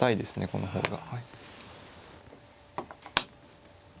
この方が。